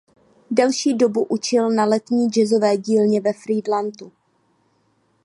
Delší dobu učil na Letní jazzové dílně ve Frýdlantu.